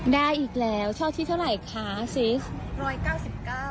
ได้อีกแล้วชอบที่เท่าไหร่คะ